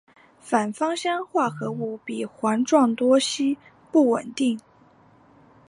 反芳香化合物比环状多烯不稳定。